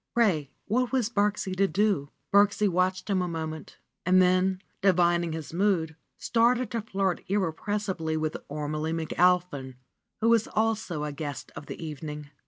Pray, what was Birksie to do ? Birksie watched him a moment, and then divining his mood, started to flirt irrepressibly with Ormelie Mc Alphin, who was also a guest of the evening.